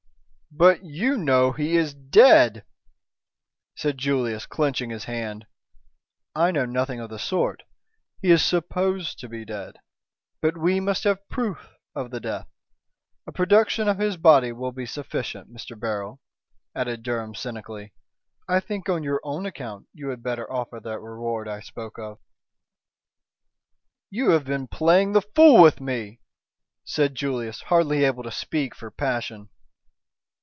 "But you know he is dead," said Julius, clenching his hand. "I know nothing of the sort. He is supposed to be dead, but we must have proof of the death. A production of his body will be sufficient, Mr. Beryl," added Durham, cynically. "I think on your own account you had better offer that reward I spoke of." "You have been playing the fool with me," said Julius, hardly able to speak for passion.